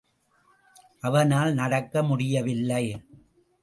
அவனால் நடக்க முடியவில்லை.